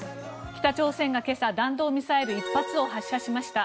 北朝鮮が今朝弾道ミサイル１発を発射しました。